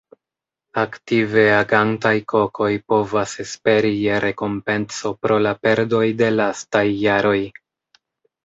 Aktive agantaj Kokoj povas esperi je rekompenco pro la perdoj de lastaj jaroj.